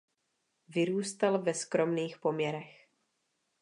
Vyrůstal ve skromných poměrech.